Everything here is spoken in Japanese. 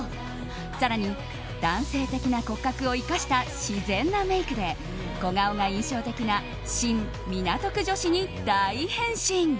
更に、男性的な骨格を生かした自然なメイクで小顔が印象的なシン・港区女子に大変身。